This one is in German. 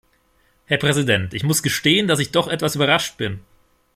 Herr Präsident, ich muss gestehen, dass ich doch etwas überrascht bin.